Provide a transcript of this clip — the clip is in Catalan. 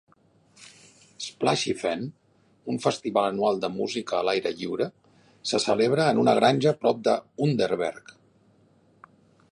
Splashy Fen, un festival anual de música a l'aire lliure, se celebra en una granja prop d'Underberg.